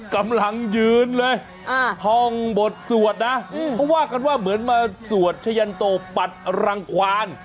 กำลังยืนเลยท่องบทสวดนะเขาว่ากันว่าเหมือนมาสวดชะยันโตปัดรังควาน